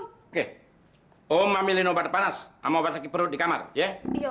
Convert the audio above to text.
oke om mamilin obat panas sama obat sakit perut di kamar ya